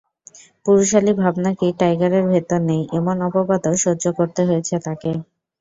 পুরুষালি ভাব নাকি টাইগারের ভেতর নেই, এমন অপবাদও সহ্য করতে হয়েছে তাঁকে।